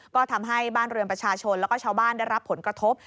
ก็ทำให้บ้านเรือนประชาชนแล้วก็ชาวบ้านได้รับผลกระทบ